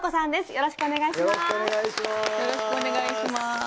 よろしくお願いします。